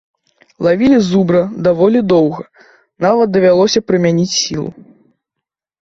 Лавілі зубра даволі доўга, нават давялося прымяніць сілу.